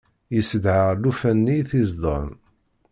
Yessedhay llufan-nni i t-izedɣen.